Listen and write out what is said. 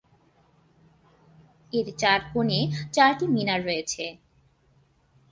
এর চার কোণে চারটি মিনার রয়েছে।